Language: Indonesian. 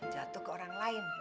jatuh ke orang lain